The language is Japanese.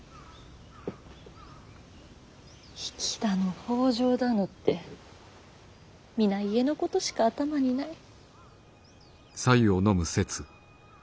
比企だの北条だのって皆家のことしか頭にない。